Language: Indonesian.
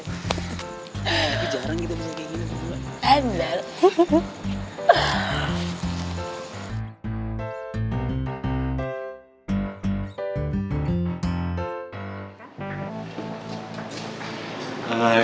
tapi jarang gitu bisa kayak gini